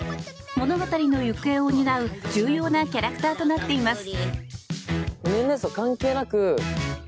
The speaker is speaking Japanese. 物語の行方を担う、重要なキャラクターとなっています。